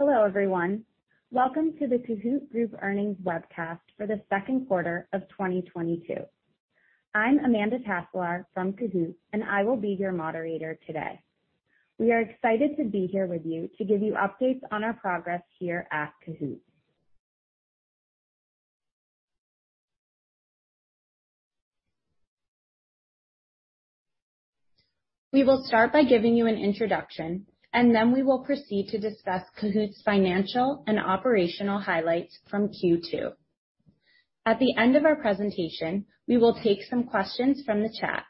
Hello everyone. Welcome to the Kahoot! Group earnings webcast for the second quarter of 2022. I'm Amanda Taselaar from Kahoot!, and I will be your moderator today. We are excited to be here with you to give you updates on our progress here at Kahoot!. We will start by giving you an introduction, and then we will proceed to discuss Kahoot!'s financial and operational highlights from Q2. At the end of our presentation, we will take some questions from the chat.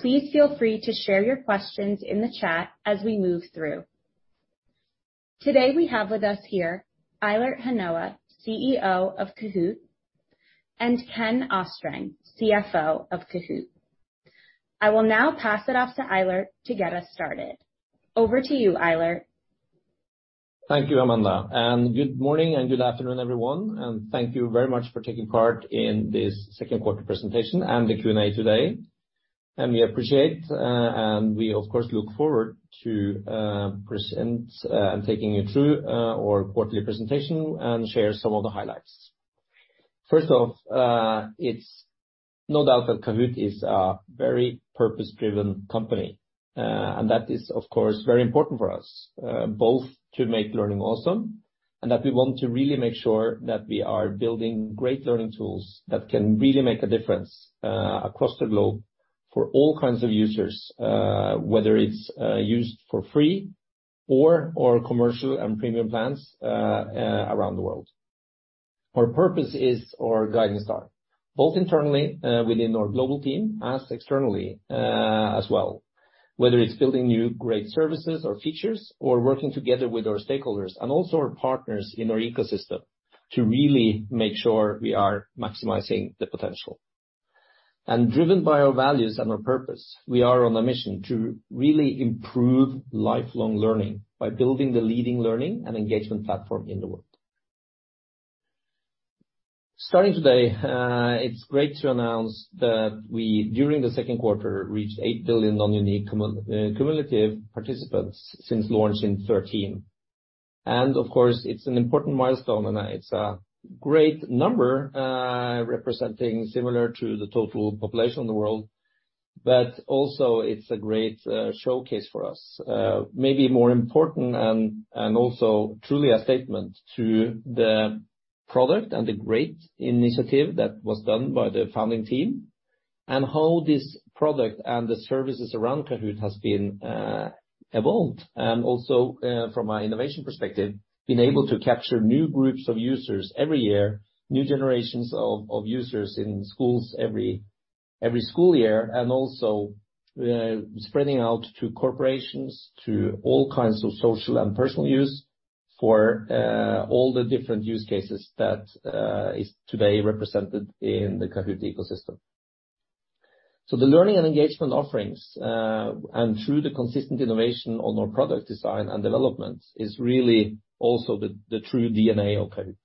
Please feel free to share your questions in the chat as we move through. Today we have with us here Eilert Hanoa, CEO of Kahoot!, and Ken Østreng, CFO of Kahoot!. I will now pass it off to Eilert to get us started. Over to you, Eilert. Thank you, Amanda, and good morning and good afternoon everyone, and thank you very much for taking part in this second quarter presentation and the Q&A today. We appreciate, and we of course look forward to present and taking you through our quarterly presentation and share some of the highlights. First off, it's no doubt that Kahoot! is a very purpose-driven company, and that is of course very important for us, both to make learning awesome and that we want to really make sure that we are building great learning tools that can really make a difference across the globe for all kinds of users, whether it's used for free or our commercial and premium plans around the world. Our purpose is our guiding star, both internally within our global team and externally as well. Whether it's building new great services or features, or working together with our stakeholders and also our partners in our ecosystem to really make sure we are maximizing the potential. Driven by our values and our purpose, we are on a mission to really improve lifelong learning by building the leading learning and engagement platform in the world. Starting today, it's great to announce that we, during the second quarter, reached 8 billion of unique cumulative participants since launch in 2013. Of course, it's an important milestone, and it's a great number, representing similar to the total population of the world. Also it's a great showcase for us, maybe more important and also truly a statement to the product and the great initiative that was done by the founding team, and how this product and the services around Kahoot! has been evolved. Also, from an innovation perspective, been able to capture new groups of users every year, new generations of users in schools every school year, and also spreading out to corporations, to all kinds of social and personal use for all the different use cases that is today represented in the Kahoot! ecosystem. The learning and engagement offerings and through the consistent innovation on our product design and development is really also the true DNA of Kahoot!.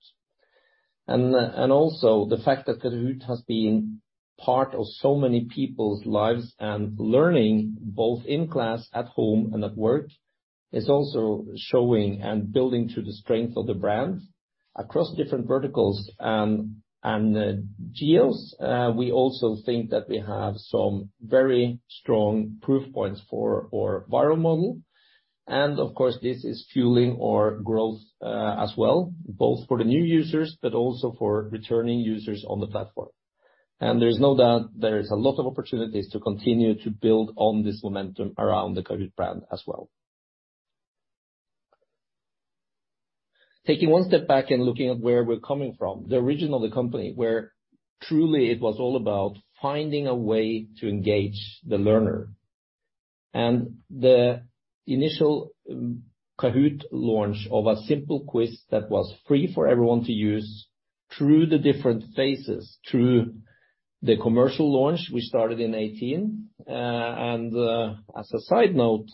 Also the fact that Kahoot! has been part of so many people's lives and learning, both in class, at home and at work, is also showing and building to the strength of the brand across different verticals and geos. We also think that we have some very strong proof points for our viral model. Of course, this is fueling our growth, as well, both for the new users but also for returning users on the platform. There's no doubt there is a lot of opportunities to continue to build on this momentum around the Kahoot! brand as well. Taking one step back and looking at where we're coming from, the origin of the company, where truly it was all about finding a way to engage the learner. The initial Kahoot! launch of a simple quiz that was free for everyone to use through the different phases, through the commercial launch, we started in 2018. As a side note,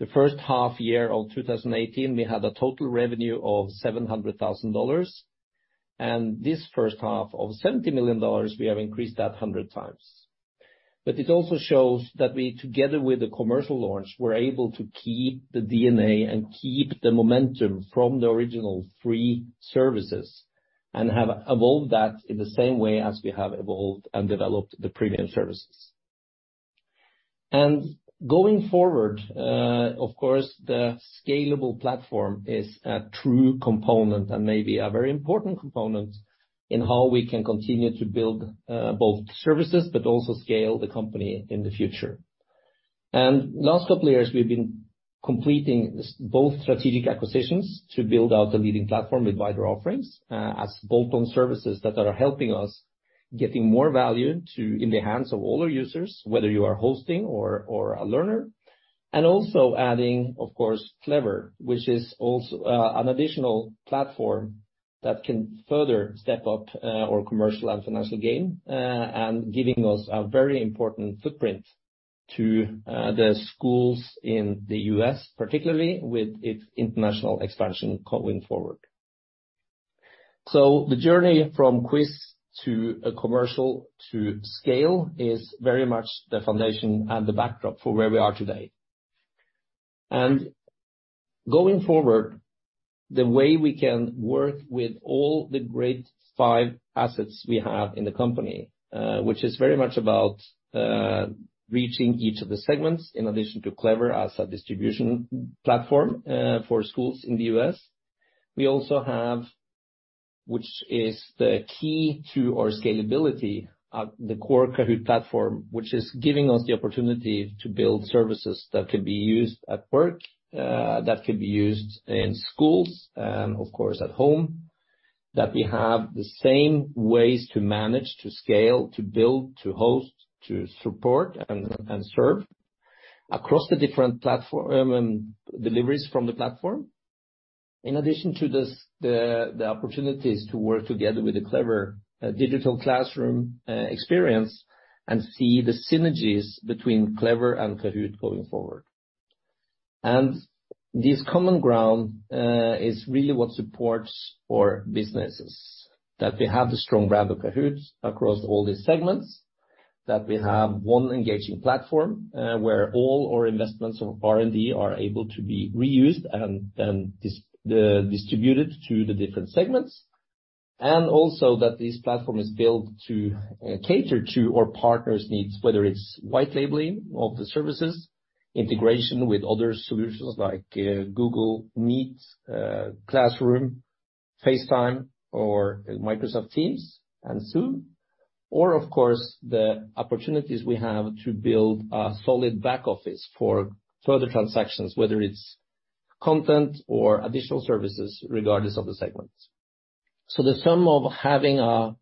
the first half year of 2018, we had a total revenue of $700,000. This first half of $70 million, we have increased that 100x. It also shows that we, together with the commercial launch, were able to keep the DNA and keep the momentum from the original free services, and have evolved that in the same way as we have evolved and developed the premium services. Going forward, of course, the scalable platform is a true component, and maybe a very important component in how we can continue to build both services but also scale the company in the future. Last couple of years, we've been completing both strategic acquisitions to build out a leading platform with wider offerings, as bolt-on services that are helping us getting more value to in the hands of all our users, whether you are hosting or a learner. Also adding, of course, Clever, which is also an additional platform that can further step up our commercial and financial gain, and giving us a very important footprint to the schools in the U.S., particularly with its international expansion going forward. The journey from quiz to a commercial to scale is very much the foundation and the backdrop for where we are today. Going forward, the way we can work with all the great five assets we have in the company, which is very much about reaching each of the segments in addition to Clever as a distribution platform for schools in the U.S. We also have, which is the key to our scalability at the core Kahoot! platform, which is giving us the opportunity to build services that could be used at work, that could be used in schools, and of course, at home. That we have the same ways to manage, to scale, to build, to host, to support and serve across the different platform deliveries from the platform. In addition to this, the opportunities to work together with the Clever digital classroom experience and see the synergies between Clever and Kahoot! going forward. This common ground is really what supports our businesses. That we have the strong brand of Kahoot! across all these segments, that we have one engaging platform, where all our investments of R&D are able to be reused and distributed to the different segments. Also that this platform is built to cater to our partners' needs, whether it's white labeling of the services, integration with other solutions like Google Meet, Classroom, FaceTime, or Microsoft Teams and Zoom. Of course, the opportunities we have to build a solid back office for further transactions, whether it's content or additional services regardless of the segments. The sum of having a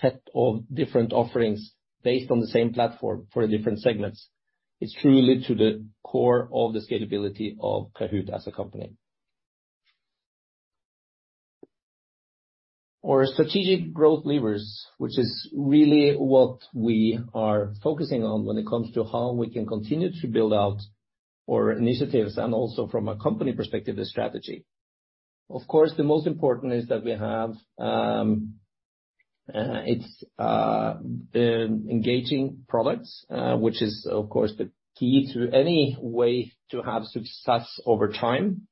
set of different offerings based on the same platform for the different segments is truly to the core of the scalability of Kahoot! as a company. Our strategic growth levers, which is really what we are focusing on when it comes to how we can continue to build out our initiatives, and also from a company perspective, the strategy. Of course, the most important is that we have engaging products, which is, of course, the key to any way to have success over time.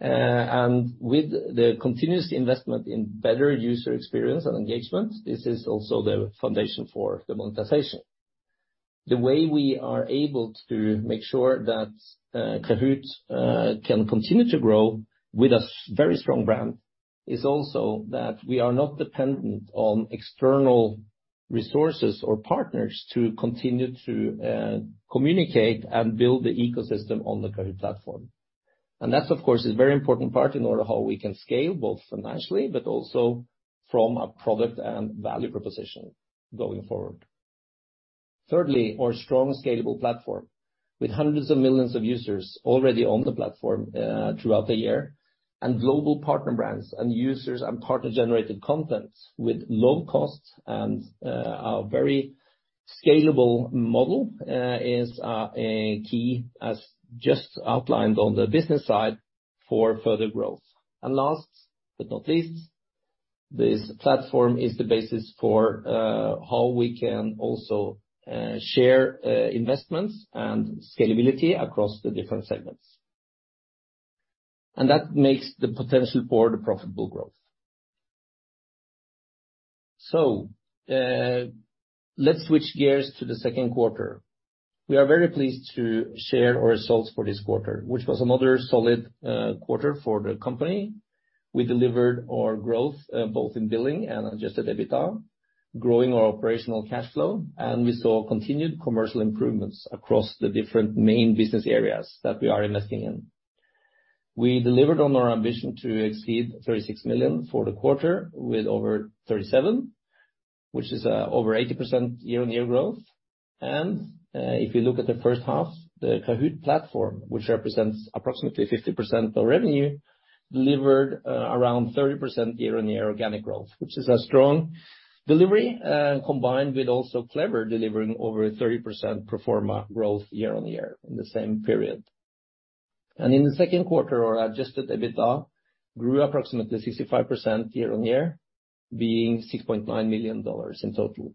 With the continuous investment in better user experience and engagement, this is also the foundation for the monetization. The way we are able to make sure that Kahoot! can continue to grow with a very strong brand is also that we are not dependent on external resources or partners to continue to communicate and build the ecosystem on the Kahoot! platform. That, of course, is a very important part in order how we can scale, both financially, but also from a product and value proposition going forward. Thirdly, our strong scalable platform with hundreds of millions of users already on the platform, throughout the year, and global partner brands and users and partner-generated content with low costs and, a very scalable model, is, a key, as just outlined on the business side, for further growth. Last but not least, this platform is the basis for, how we can also, share, investments and scalability across the different segments. That makes the potential for the profitable growth. Let's switch gears to the second quarter. We are very pleased to share our results for this quarter, which was another solid, quarter for the company. We delivered our growth, both in billing and adjusted EBITDA, growing our operational cash flow, and we saw continued commercial improvements across the different main business areas that we are investing in. We delivered on our ambition to exceed $36 million for the quarter, with over $37 million, which is, over 80% year-on-year growth. If you look at the first half, the Kahoot! platform, which represents approximately 50% of revenue, delivered around 30% year-on-year organic growth, which is a strong delivery, combined with also Clever delivering over 30% pro forma growth year-on-year in the same period. In the second quarter, our adjusted EBITDA grew approximately 65% year-on-year, being $6.9 million in total.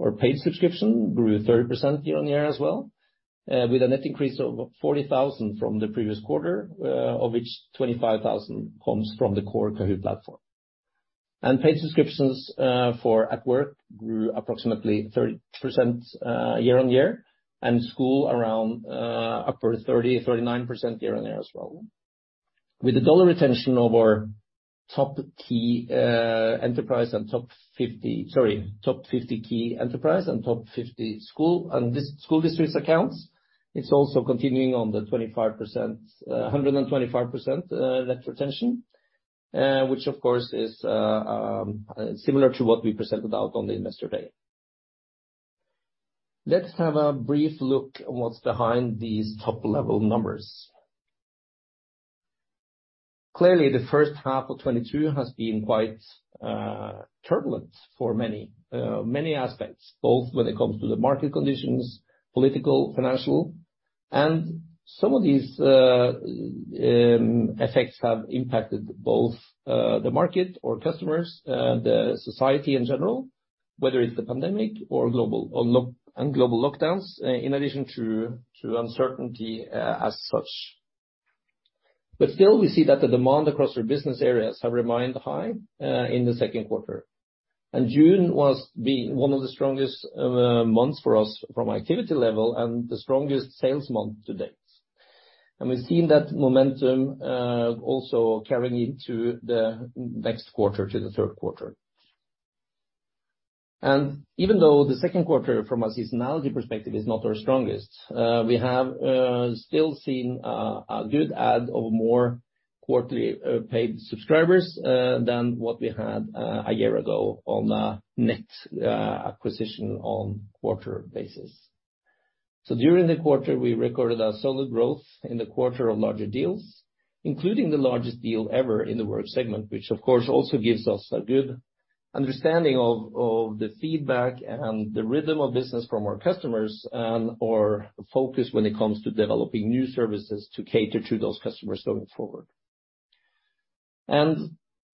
Our paid subscriptions grew 30% year-on-year as well, with a net increase of 40,000 from the previous quarter, of which 25,000 comes from the core Kahoot! platform. Paid subscriptions for Kahoot! at Work grew approximately 30% year-on-year, and for Kahoot! at School around upper 30%, 39% year-on-year as well. With the dollar retention of our top 50 key enterprise and top 50 school district accounts, it's also continuing at the 125% net retention, which of course is similar to what we presented on the Investor Day. Let's have a brief look at what's behind these top-level numbers. Clearly, the first half of 2022 has been quite turbulent for many aspects, both when it comes to the market conditions, political, financial. Some of these effects have impacted both the market, our customers, the society in general, whether it's the pandemic or global lockdowns, in addition to uncertainty as such. Still, we see that the demand across our business areas have remained high in the second quarter. June was one of the strongest months for us from activity level and the strongest sales month to date. We've seen that momentum also carrying into the next quarter, the third quarter. Even though the second quarter from a seasonality perspective is not our strongest, we have still seen a good add of more quarterly paid subscribers than what we had a year ago on a net acquisition on quarter basis. During the quarter, we recorded a solid growth in the quarter of larger deals, including the largest deal ever in the work segment, which of course also gives us a good understanding of the feedback and the rhythm of business from our customers, and our focus when it comes to developing new services to cater to those customers going forward.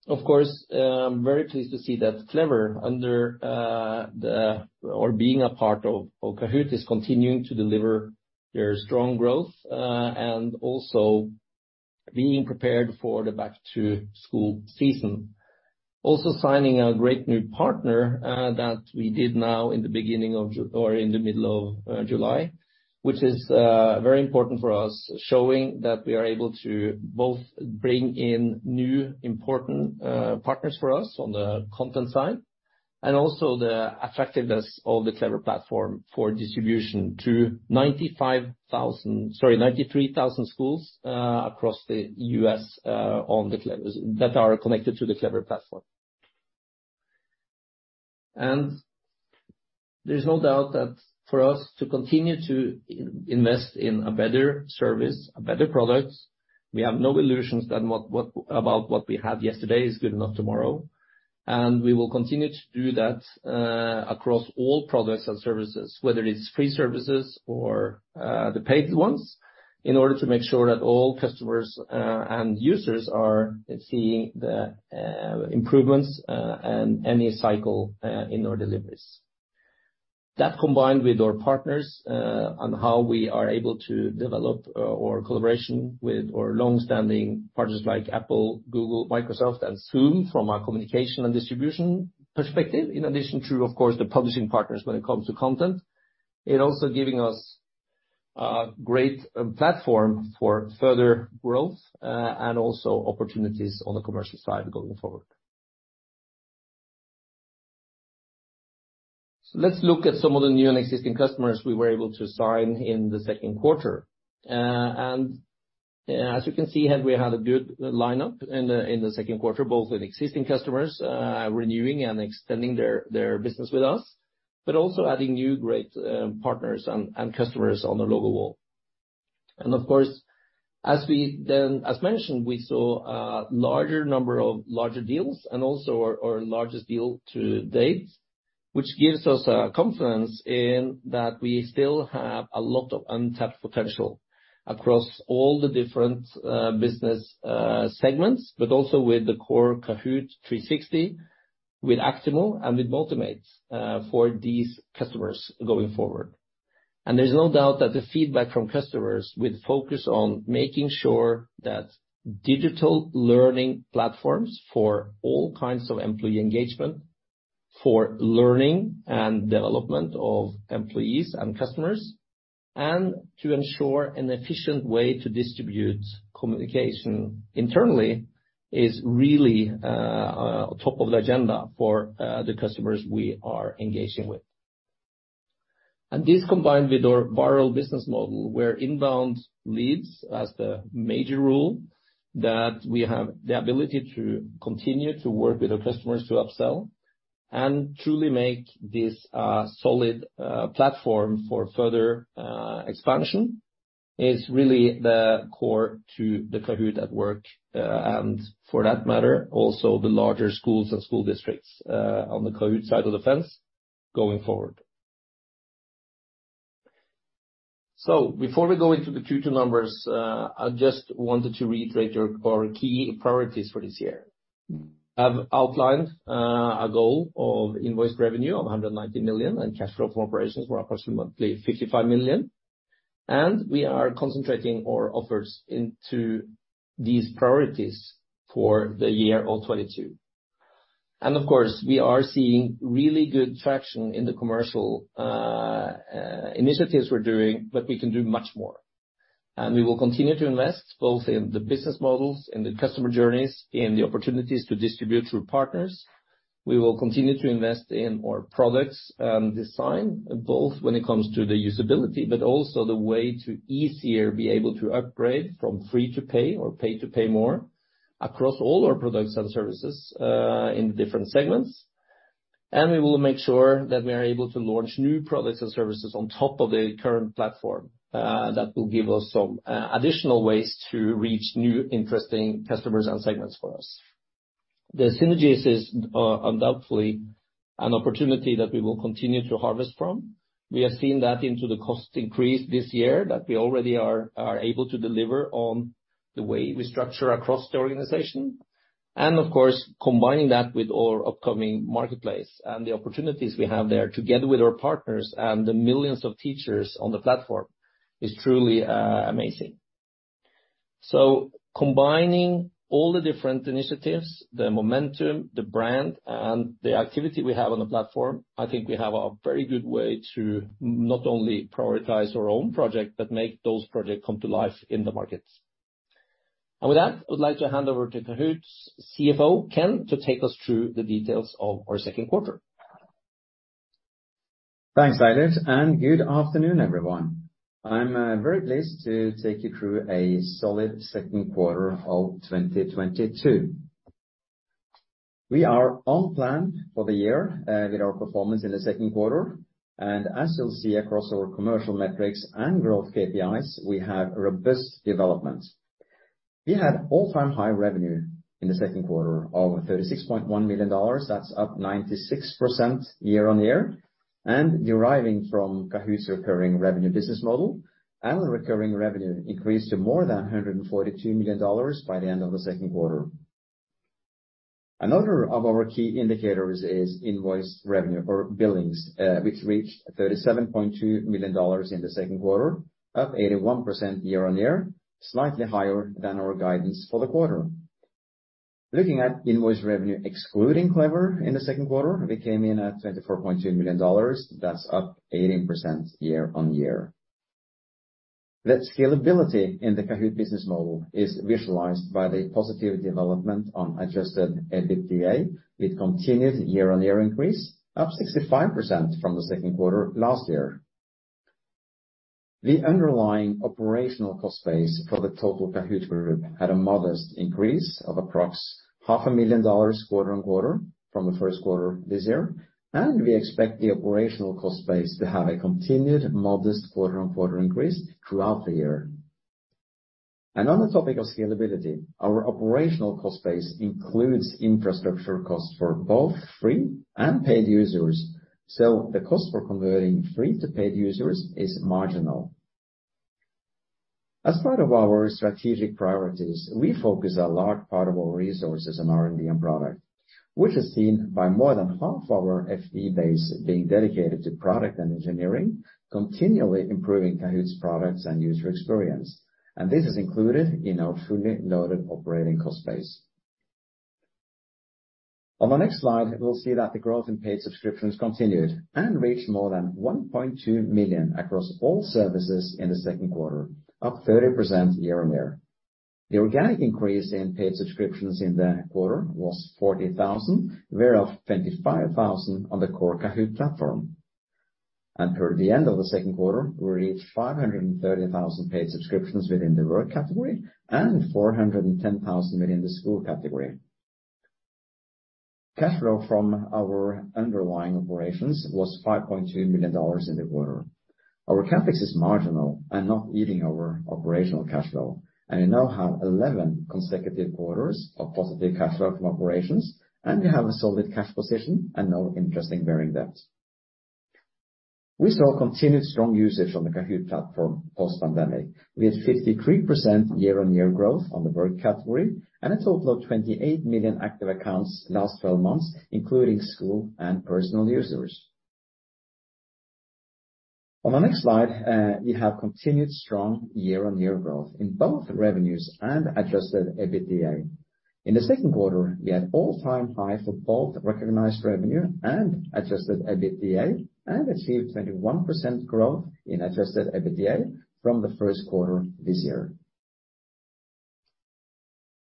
Very pleased to see that Clever under the or being a part of Kahoot! is continuing to deliver their strong growth and also being prepared for the back to school season. Signing a great new partner that we did now in the beginning or in the middle of July, which is very important for us, showing that we are able to both bring in new important partners for us on the content side, and also the effectiveness of the Clever platform for distribution to 95,000, sorry, 93,000 schools across the U.S. that are connected to the Clever platform. There's no doubt that for us to continue to invest in a better service, a better product, we have no illusions that what about what we had yesterday is good enough tomorrow. We will continue to do that across all products and services, whether it's free services or the paid ones, in order to make sure that all customers and users are seeing the improvements and any cycle in our deliveries. That combined with our partners on how we are able to develop our collaboration with our long-standing partners like Apple, Google, Microsoft, and Zoom from a communication and distribution perspective, in addition to, of course, the publishing partners when it comes to content, it also giving us a great platform for further growth and also opportunities on the commercial side going forward. Let's look at some of the new and existing customers we were able to sign in the second quarter. As you can see, we had a good lineup in the second quarter, both with existing customers renewing and extending their business with us, but also adding new great partners and customers on the logo wall. Of course, as mentioned, we saw a larger number of larger deals and also our largest deal to date, which gives us confidence in that we still have a lot of untapped potential across all the different business segments, but also with the core Kahoot! 360, with Actimo, and with Motimate, for these customers going forward. There's no doubt that the feedback from customers with focus on making sure that digital learning platforms for all kinds of employee engagement, for learning and development of employees and customers, and to ensure an efficient way to distribute communication internally is really top of the agenda for the customers we are engaging with. This combined with our viral business model, where inbound leads as the major rule that we have the ability to continue to work with our customers to upsell and truly make this solid platform for further expansion is really the core to the Kahoot! at Work, and for that matter, also the larger schools and school districts, on the Kahoot! side of the fence going forward. Before we go into the Q2 numbers, I just wanted to reiterate your, our key priorities for this year. I've outlined a goal of invoiced revenue of $190 million and cash flow from operations of approximately $55 million. We are concentrating our efforts into these priorities for the year of 2022. Of course, we are seeing really good traction in the commercial initiatives we're doing, but we can do much more. We will continue to invest both in the business models, in the customer journeys, in the opportunities to distribute through partners. We will continue to invest in our products and design, both when it comes to the usability, but also the way to easier be able to upgrade from free to pay or pay to pay more across all our products and services in different segments. We will make sure that we are able to launch new products and services on top of the current platform, that will give us some, additional ways to reach new interesting customers and segments for us. The synergies is, undoubtedly an opportunity that we will continue to harvest from. We are seeing that into the cost increase this year that we already are able to deliver on the way we structure across the organization. Of course, combining that with our upcoming marketplace and the opportunities we have there together with our partners and the millions of teachers on the platform is truly, amazing. Combining all the different initiatives, the momentum, the brand, and the activity we have on the platform, I think we have a very good way to not only prioritize our own project, but make those projects come to life in the markets. With that, I would like to hand over to Kahoot!'s CFO, Ken, to take us through the details of our second quarter. Thanks, Eilert, and good afternoon, everyone. I'm very pleased to take you through a solid second quarter of 2022. We are on plan for the year, with our performance in the second quarter. As you'll see across our commercial metrics and growth KPIs, we have robust development. We had all-time high revenue in the second quarter of $36.1 million. That's up 96% year-on-year, and deriving from Kahoot!'s recurring revenue business model. Recurring revenue increased to more than $142 million by the end of the second quarter. Another of our key indicators is invoiced revenue or billings, which reached $37.2 million in the second quarter, up 81% year-on-year, slightly higher than our guidance for the quarter. Looking at invoiced revenue excluding Clever in the second quarter, we came in at $24.2 million. That's up 18% year-on-year. The scalability in the Kahoot! business model is visualized by the positive development on adjusted EBITDA. It continued year-on-year increase, up 65% from the second quarter last year. The underlying operational cost base for the total Kahoot! Group had a modest increase of approx half a million dollars quarter-on-quarter from the first quarter this year. We expect the operational cost base to have a continued modest quarter-on-quarter increase throughout the year. On the topic of scalability, our operational cost base includes infrastructure costs for both free and paid users. The cost for converting free to paid users is marginal. As part of our strategic priorities, we focus a large part of our resources on R&D and product, which is seen by more than half of our FTE base being dedicated to product and engineering, continually improving Kahoot!'s products and user experience. This is included in our fully loaded operating cost base. On the next slide, we'll see that the growth in paid subscriptions continued and reached more than 1.2 million across all services in the second quarter, up 30% year-on-year. The organic increase in paid subscriptions in the quarter was 40,000, whereof 25,000 on the core Kahoot! platform. Per the end of the second quarter, we reached 530,000 paid subscriptions within the work category and 410,000 within the school category. Cash flow from our underlying operations was $5.2 million in the quarter. Our CapEx is marginal and not eating our operational cash flow. We now have 11 consecutive quarters of positive cash flow from operations, and we have a solid cash position and no interest in bearing debt. We saw continued strong usage on the Kahoot! platform post-pandemic. We had 53% year-on-year growth on the work category and a total of 28 million active accounts last 12 months, including school and personal users. On the next slide, we have continued strong year-on-year growth in both revenues and adjusted EBITDA. In the second quarter, we had all-time high for both recognized revenue and adjusted EBITDA and achieved 21% growth in adjusted EBITDA from the first quarter this year.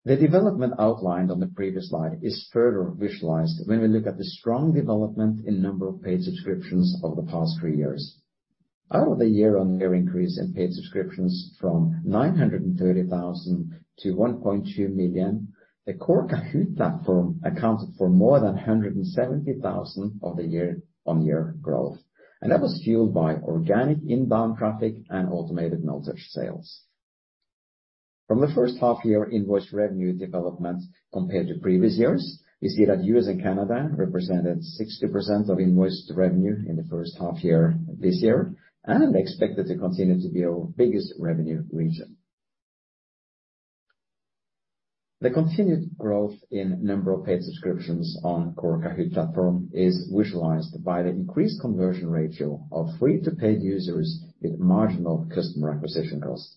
The development outlined on the previous slide is further visualized when we look at the strong development in number of paid subscriptions over the past three years. Out of the year-over-year increase in paid subscriptions from 930,000 to 1.2 million, the core Kahoot! platform accounted for more than 170,000 of the year-over-year growth. That was fueled by organic inbound traffic and automated no-touch sales. From the first half year invoiced revenue development compared to previous years, we see that U.S. and Canada represented 60% of invoiced revenue in the first half year this year and expected to continue to be our biggest revenue region. The continued growth in number of paid subscriptions on core Kahoot! platform is visualized by the increased conversion ratio of free to paid users with marginal customer acquisition cost.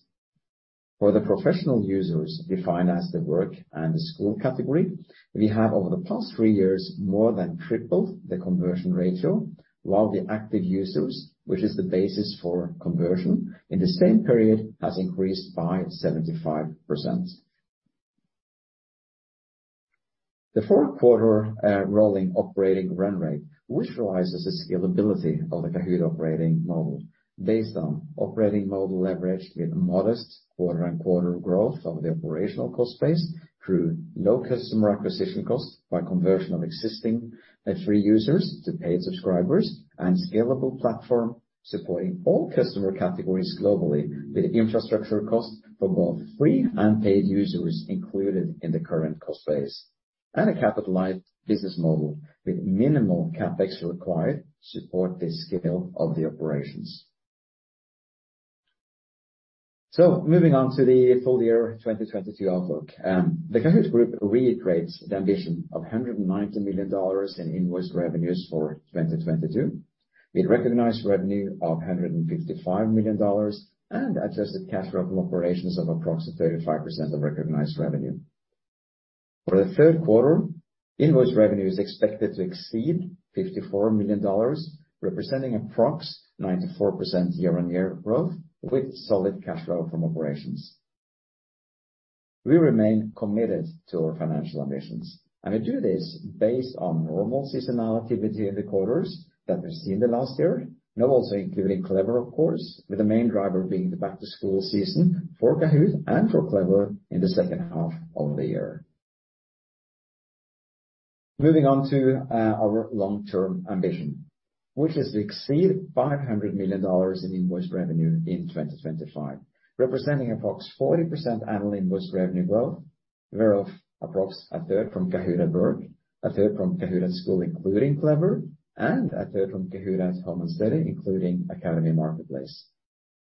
For the professional users defined as the work and the school category, we have over the past three years, more than tripled the conversion ratio, while the active users, which is the basis for conversion in the same period, has increased by 75%. The fourth quarter rolling operating run rate visualizes the scalability of the Kahoot! operating model based on operating model leverage with modest quarter-on-quarter growth of the operational cost base through low customer acquisition cost by conversion of existing free users to paid subscribers, and scalable platform supporting all customer categories globally with infrastructure costs for both free and paid users included in the current cost base. A capitalized business model with minimal CapEx required to support the scale of the operations. Moving on to the full year 2022 outlook. The Kahoot! Group reiterates the ambition of $190 million in invoiced revenues for 2022, with recognized revenue of $155 million and adjusted cash flow from operations of approximately 35% of recognized revenue. For the third quarter, invoiced revenue is expected to exceed $54 million, representing approx 94% year-on-year growth with solid cash flow from operations. We remain committed to our financial ambitions, and we do this based on normal seasonality with the quarters that we've seen the last year. Now also including Clever, of course, with the main driver being the back-to-school season for Kahoot! and for Clever in the second half of the year. Moving on to our long-term ambition, which is to exceed $500 million in invoiced revenue in 2025, representing approx 40% annual invoiced revenue growth, whereof approx a third from Kahoot! At Work, a third from Kahoot! at School, including Clever, and a third from Kahoot! at Home & Study, including Kahoot! Academy Marketplace.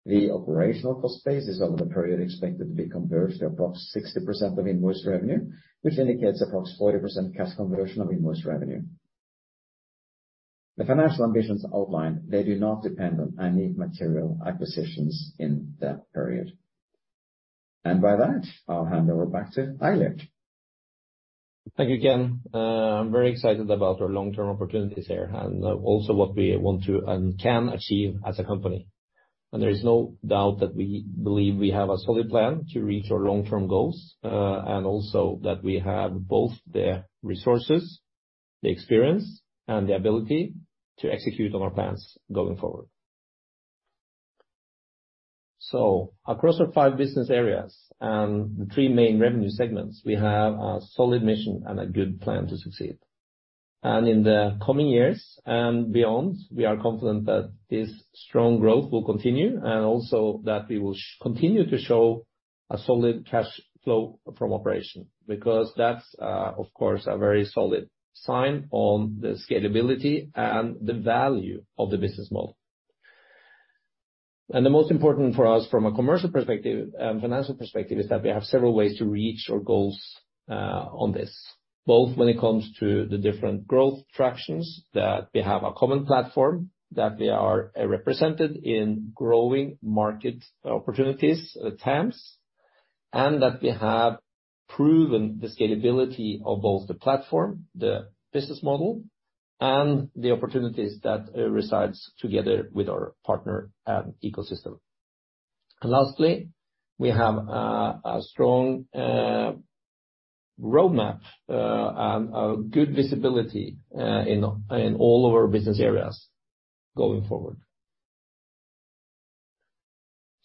The operational cost base is over the period expected to be converged to approx 60% of invoiced revenue, which indicates approx 40% cash conversion of invoiced revenue. The financial ambitions outlined, they do not depend on any material acquisitions in that period. By that, I'll hand over back to Eilert. Thank you, Ken. I'm very excited about our long-term opportunities here and also what we want to and can achieve as a company. There is no doubt that we believe we have a solid plan to reach our long-term goals, and also that we have both the resources, the experience, and the ability to execute on our plans going forward. Across our five business areas and the three main revenue segments, we have a solid mission and a good plan to succeed. In the coming years and beyond, we are confident that this strong growth will continue and also that we will continue to show a solid cash flow from operation. Because that's, of course, a very solid sign on the scalability and the value of the business model. The most important for us from a commercial perspective and financial perspective is that we have several ways to reach our goals, on this. Both when it comes to the different growth factors that we have a common platform, that we are, represented in growing market opportunities at times, and that we have proven the scalability of both the platform, the business model, and the opportunities that, resides together with our partner and ecosystem. Lastly, we have, a strong, roadmap, and, good visibility, in all of our business areas going forward.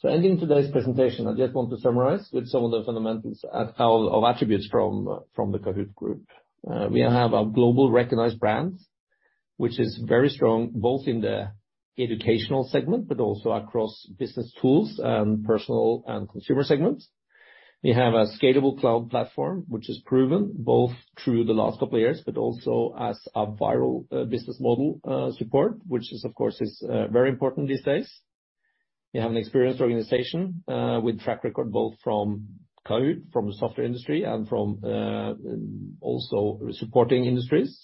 Ending today's presentation, I just want to summarize with some of the fundamentals of attributes from the Kahoot! Group. We have a global recognized brand, which is very strong both in the educational segment, but also across business tools, and personal and consumer segments. We have a scalable cloud platform, which is proven both through the last couple of years, but also as a viral business model support, which is of course very important these days. We have an experienced organization with track record, both from Kahoot!, from the software industry and from also supporting industries.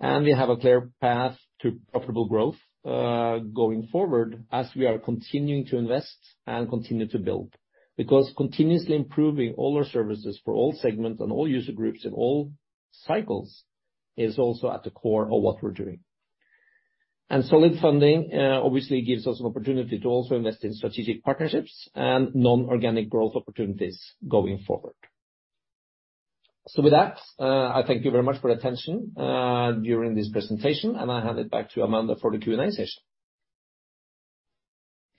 We have a clear path to profitable growth going forward as we are continuing to invest and continue to build. Because continuously improving all our services for all segments and all user groups in all cycles is also at the core of what we're doing. Solid funding obviously gives us an opportunity to also invest in strategic partnerships and non-organic growth opportunities going forward. With that, I thank you very much for your attention during this presentation, and I hand it back to Amanda for the Q&A session.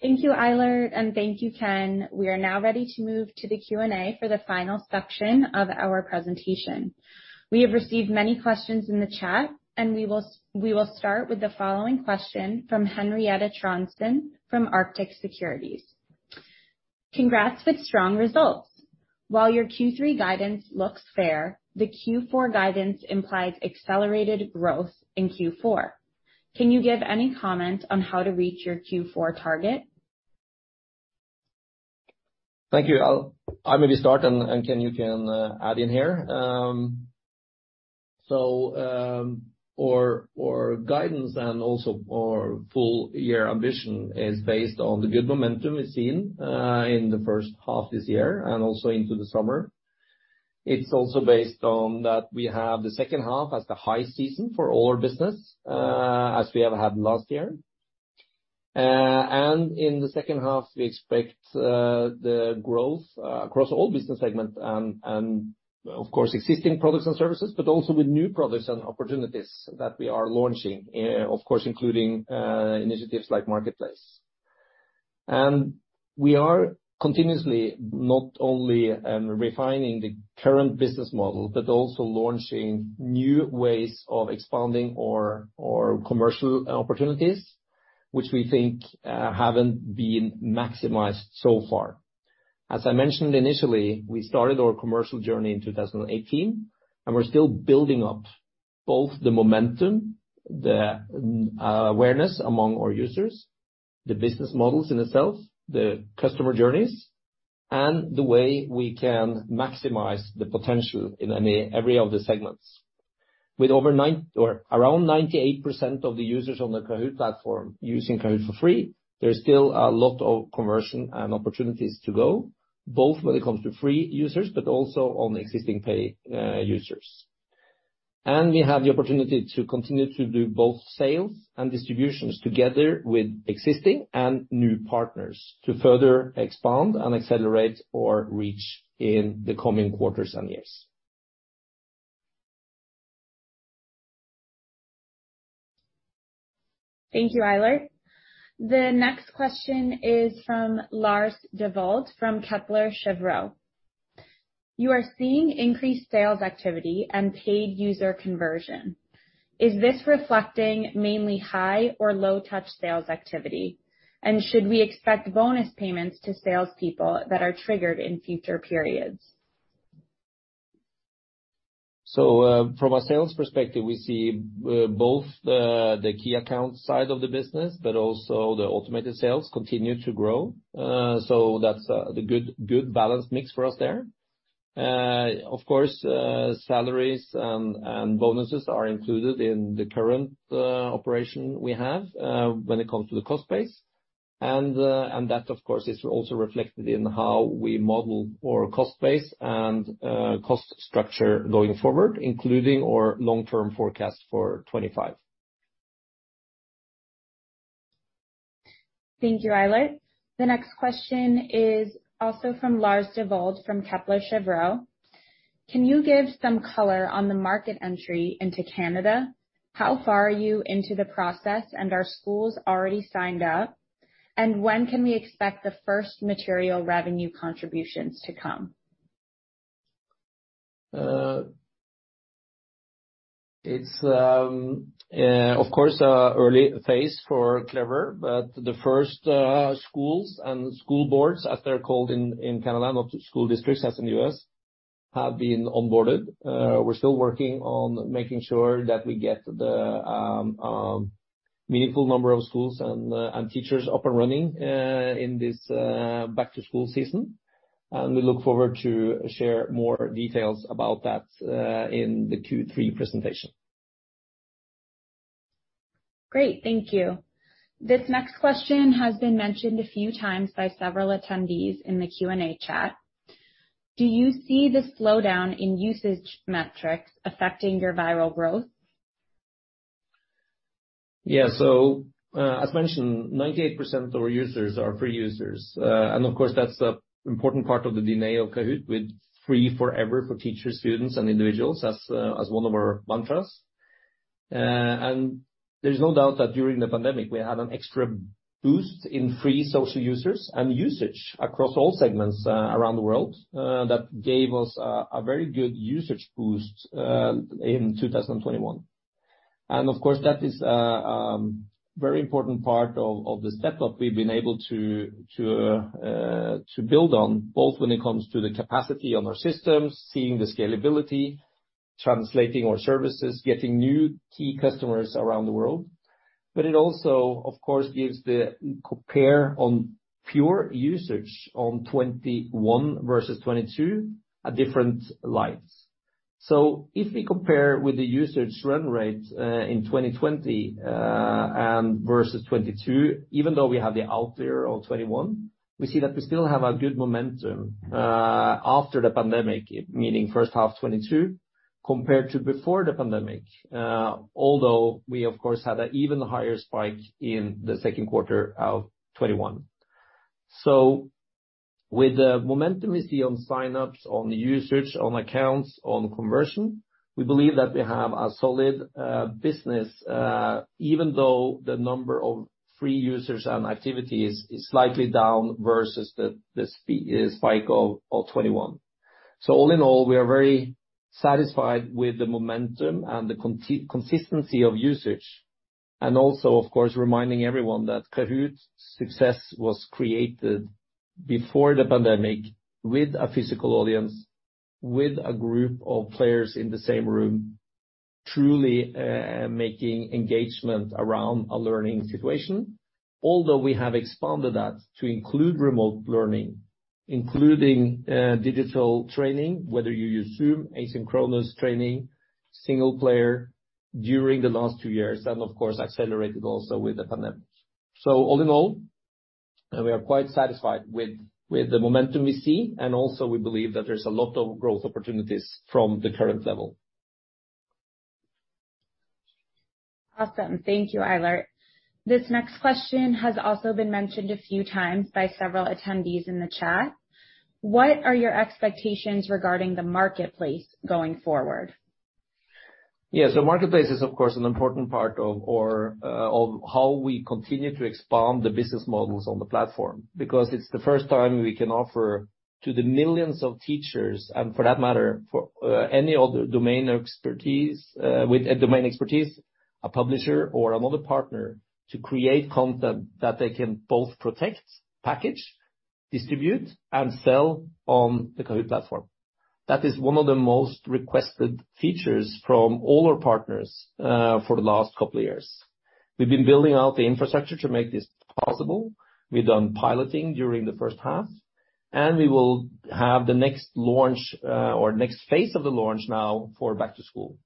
Thank you, Eilert, and thank you, Ken. We are now ready to move to the Q&A for the final section of our presentation. We have received many questions in the chat, and we will start with the following question from Henriette Trondsen from Arctic Securities. Congrats with strong results. While your Q3 guidance looks fair, the Q4 guidance implies accelerated growth in Q4. Can you give any comment on how to reach your Q4 target? Thank you. I'll maybe start and Ken you can add in here. So, our guidance and also our full year ambition is based on the good momentum we've seen in the first half this year and also into the summer. It's also based on that we have the second half as the high season for all our business as we have had last year. In the second half, we expect the growth across all business segments and of course, existing products and services, but also with new products and opportunities that we are launching, of course, including initiatives like Marketplace. We are continuously not only refining the current business model, but also launching new ways of expanding our commercial opportunities, which we think haven't been maximized so far. As I mentioned initially, we started our commercial journey in 2018, and we're still building up both the momentum, the awareness among our users, the business models in itself, the customer journeys, and the way we can maximize the potential in every of the segments. With over or around 98% of the users on the Kahoot! platform using Kahoot! for free, there is still a lot of conversion and opportunities to go, both when it comes to free users, but also on existing pay users. We have the opportunity to continue to do both sales and distributions together with existing and new partners to further expand and accelerate our reach in the coming quarters and years. Thank you, Eilert. The next question is from Lars Devold from Kepler Cheuvreux. You are seeing increased sales activity and paid user conversion. Is this reflecting mainly high or low touch sales activity? And should we expect bonus payments to salespeople that are triggered in future periods? From a sales perspective, we see both the key account side of the business, but also the automated sales continue to grow. That's the good balanced mix for us there. Of course, salaries and bonuses are included in the current operation we have when it comes to the cost base. That, of course, is also reflected in how we model our cost base and cost structure going forward, including our long-term forecast for 25. Thank you, Eilert. The next question is also from Lars Devold from Kepler Cheuvreux. Can you give some color on the market entry into Canada? How far are you into the process, and are schools already signed up? And when can we expect the first material revenue contributions to come? It's of course an early phase for Clever, but the first schools and school boards, as they're called in Canada, not school districts as in the U.S., have been onboarded. We're still working on making sure that we get the meaningful number of schools and teachers up and running in this back to school season. We look forward to share more details about that in the Q3 presentation. Great. Thank you. This next question has been mentioned a few times by several attendees in the Q&A chat. Do you see the slowdown in usage metrics affecting your viral growth? Yeah. As mentioned, 98% of our users are free users. Of course, that's an important part of the DNA of Kahoot!, with free forever for teachers, students, and individuals as one of our mantras. There's no doubt that during the pandemic, we had an extra boost in free social users and usage across all segments around the world that gave us a very good usage boost in 2021. Of course, that is a very important part of the step-up we've been able to build on, both when it comes to the capacity on our systems, seeing the scalability, translating our services, getting new key customers around the world. It also, of course, gives the comparison on pure usage on 2021 versus 2022 a different light. If we compare with the usage run rate in 2020 and versus 2022, even though we have the out year of 2021, we see that we still have a good momentum after the pandemic, meaning first half 2022, compared to before the pandemic. Although we of course had an even higher spike in the second quarter of 2021. With the momentum we see on sign-ups, on usage, on accounts, on conversion, we believe that we have a solid business, even though the number of free users and activity is slightly down versus the spike of 2021. All in all, we are very satisfied with the momentum and the consistency of usage. Also, of course, reminding everyone that Kahoot!'s success was created before the pandemic with a physical audience, with a group of players in the same room, truly making engagement around a learning situation. Although we have expanded that to include remote learning, including digital training, whether you use Zoom, asynchronous training, single player during the last two years, and of course, accelerated also with the pandemic. All in all, we are quite satisfied with the momentum we see, and also we believe that there's a lot of growth opportunities from the current level. Awesome. Thank you, Eilert. This next question has also been mentioned a few times by several attendees in the chat. What are your expectations regarding the marketplace going forward? Yeah. Marketplace is, of course, an important part of how we continue to expand the business models on the platform, because it's the first time we can offer to the millions of teachers, and for that matter, any other domain expertise with a domain expertise, a publisher or another partner to create content that they can both protect, package, distribute and sell on the Kahoot! platform. That is one of the most requested features from all our partners for the last couple of years. We've been building out the infrastructure to make this possible. We've done piloting during the first half, and we will have the next launch or next phase of the launch now for back to school.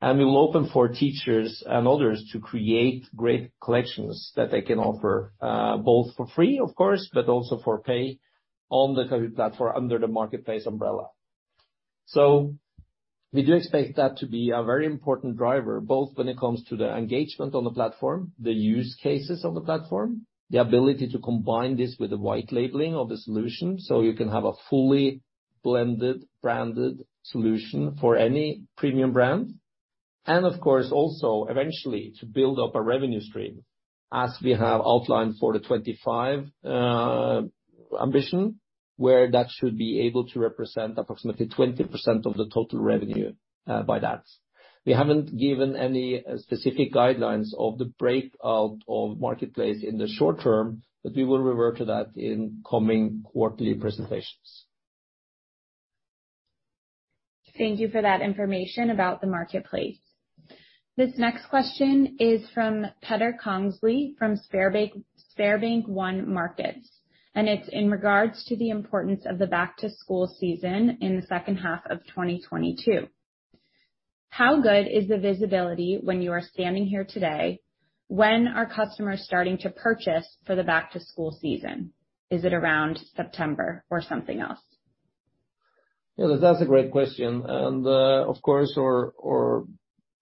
We will open for teachers and others to create great collections that they can offer, both for free, of course, but also for pay on the Kahoot! platform under the marketplace umbrella. We do expect that to be a very important driver, both when it comes to the engagement on the platform, the use cases on the platform, the ability to combine this with the white labeling of the solution, so you can have a fully blended, branded solution for any premium brand. Of course, also eventually to build up a revenue stream as we have outlined for the 2025 ambition, where that should be able to represent approximately 20% of the total revenue, by that. We haven't given any specific guidelines of the breakout of marketplace in the short term, but we will revert to that in coming quarterly presentations. Thank you for that information about the marketplace. This next question is from Petter Kongslie from SpareBank 1 Markets, and it's in regards to the importance of the back to school season in the second half of 2022. How good is the visibility when you are standing here today? When are customers starting to purchase for the back to school season? Is it around September or something else? Yeah, that's a great question. Of course,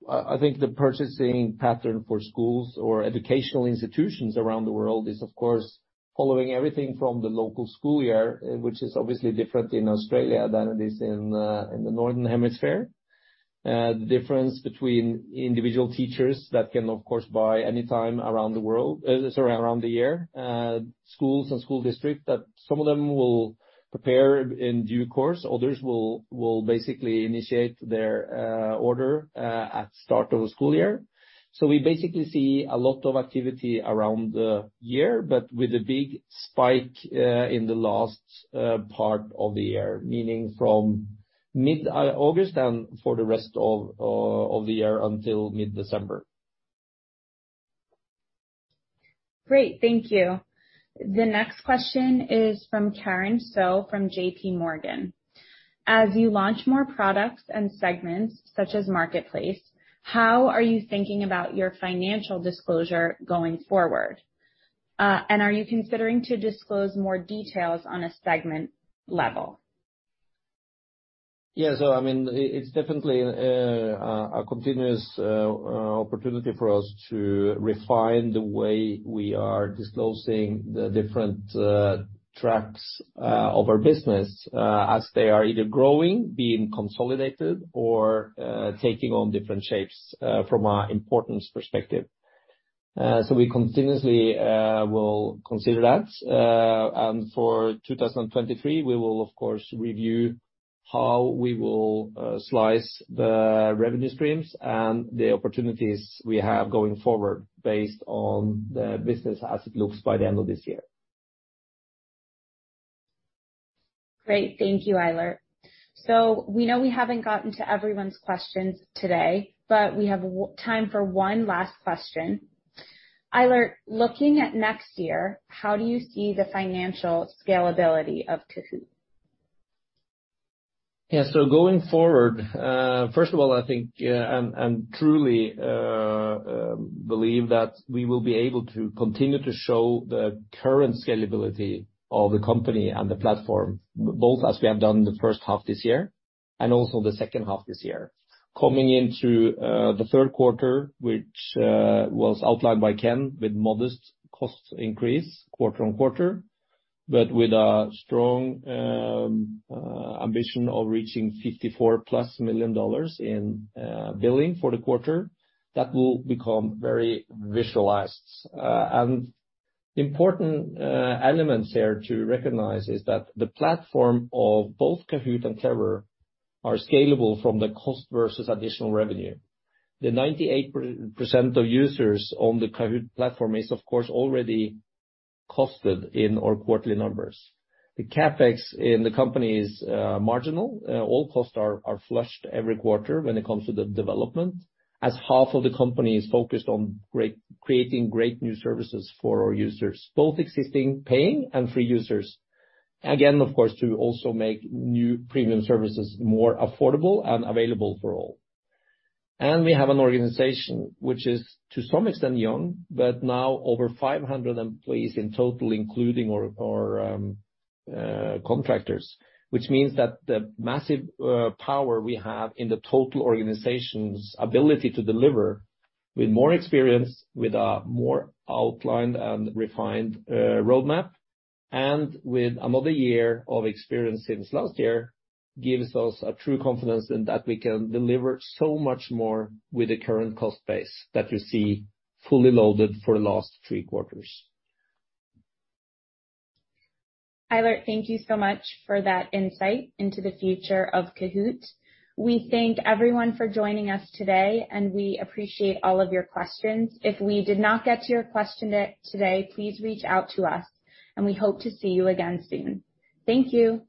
I think the purchasing pattern for schools or educational institutions around the world is, of course, following everything from the local school year, which is obviously different in Australia than it is in the Northern Hemisphere. The difference between individual teachers that can, of course, buy anytime around the year. Schools and school districts that some of them will prepare in due course, others will basically initiate their order at start of the school year. We basically see a lot of activity around the year, but with a big spike in the last part of the year, meaning from mid August and for the rest of the year until mid-December. Great. Thank you. The next question is from Karen So from JPMorgan. As you launch more products and segments such as Marketplace, how are you thinking about your financial disclosure going forward? Are you considering to disclose more details on a segment level? Yeah. I mean, it's definitely a continuous opportunity for us to refine the way we are disclosing the different tracks of our business as they are either growing, being consolidated or taking on different shapes from an importance perspective. We continuously will consider that. For 2023, we will of course review how we will slice the revenue streams and the opportunities we have going forward based on the business as it looks by the end of this year. Great. Thank you, Eilert. We know we haven't gotten to everyone's questions today, but we have time for one last question. Eilert, looking at next year, how do you see the financial scalability of Kahoot!? Yeah. Going forward, first of all, I think and truly believe that we will be able to continue to show the current scalability of the company and the platform, both as we have done the first half this year and also the second half this year. Coming into the third quarter, which was outlined by Ken with modest cost increase quarter-over-quarter, but with a strong ambition of reaching $54 million+ in billing for the quarter, that will become very visualized. The important elements there to recognize is that the platform of both Kahoot! and Clever are scalable from the cost versus additional revenue. The 98% of users on the Kahoot! platform is of course, already costed in our quarterly numbers. The CapEx in the company is marginal. All costs are flushed every quarter when it comes to the development, as half of the company is focused on creating great new services for our users, both existing paying and free users. Again, of course, to also make new premium services more affordable and available for all. We have an organization which is to some extent young, but now over 500 employees in total, including our contractors, which means that the massive power we have in the total organization's ability to deliver with more experience, with a more outlined and refined roadmap, and with another year of experience since last year, gives us a true confidence in that we can deliver so much more with the current cost base that you see fully loaded for the last three quarters. Eilert, thank you so much for that insight into the future of Kahoot!. We thank everyone for joining us today, and we appreciate all of your questions. If we did not get to your question today, please reach out to us, and we hope to see you again soon. Thank you.